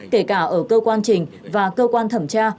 kể cả ở cơ quan trình và cơ quan thẩm tra